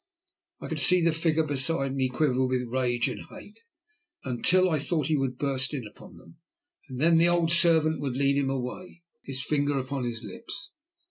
I could see the figure beside me quiver with rage and hate, until I thought he would burst in upon them, and then the old servant would lead him away, his finger upon his lips.